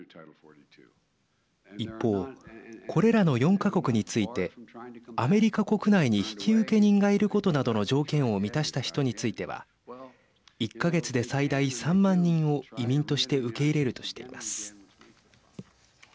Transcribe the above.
一方、これらの４か国についてアメリカ国内に引受人がいることなどの条件を満たした人については１か月で最大３万人を移民として受け入れるとしています。